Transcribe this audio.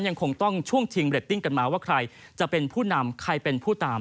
ยังคงต้องช่วงชิงเรตติ้งกันมาว่าใครจะเป็นผู้นำใครเป็นผู้ตาม